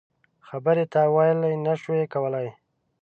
خبرې تاویل نه شو کولای.